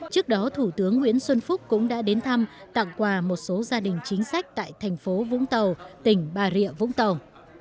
trước đó thủ tướng nguyễn xuân phúc cũng đã đến thăm tặng quà một số gia đình chính sách tại thành phố vũng tàu tỉnh bà rịa vũng tàu